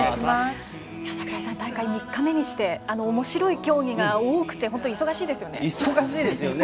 櫻井さん、大会３日目にしておもしろい競技が多くて、本当に忙しいですね。